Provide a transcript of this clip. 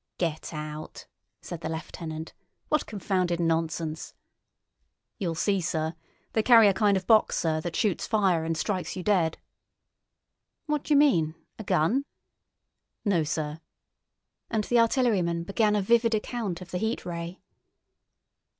"Get out!" said the lieutenant. "What confounded nonsense!" "You'll see, sir. They carry a kind of box, sir, that shoots fire and strikes you dead." "What d'ye mean—a gun?" "No, sir," and the artilleryman began a vivid account of the Heat Ray.